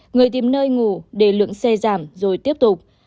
người tìm nơi ngủ để lượng xe giảm rồi tiếp tục